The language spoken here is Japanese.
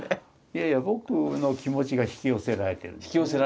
いやいや僕の気持ちが引き寄せられてるんですよね。